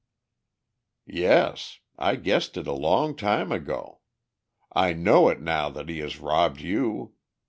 "Yes. I guessed it a long time ago. I know it now that he has robbed you.